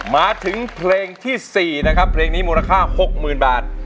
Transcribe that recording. มาถึงเพลงที่๔นะครับเพลงนี้มูลค่า๖๐๐๐บาท